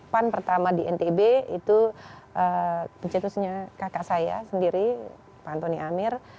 pan pertama di ntb itu kakak saya sendiri pak antoni amir